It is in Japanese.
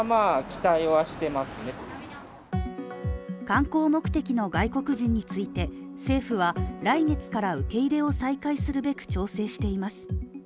観光目的の外国人について政府は、来月から受け入れを再開するべく調整しています。